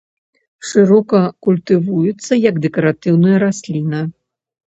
Шырока культывуецца як дэкаратыўная расліна.